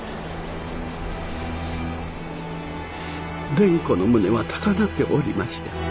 蓮子の胸は高鳴っておりました。